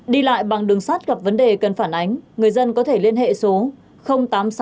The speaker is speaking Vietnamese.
đi lại bằng đường sát gặp vấn đề cần phản ánh người dân có thể liên hệ số tám trăm sáu mươi năm ba trăm sáu mươi bảy năm trăm sáu mươi năm